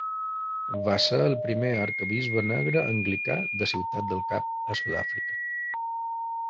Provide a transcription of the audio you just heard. Va ser el primer arquebisbe negre anglicà de Ciutat del Cap a Sud-àfrica.